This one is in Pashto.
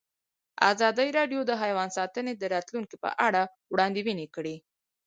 ازادي راډیو د حیوان ساتنه د راتلونکې په اړه وړاندوینې کړې.